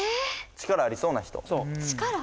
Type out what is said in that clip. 力ありそうな人？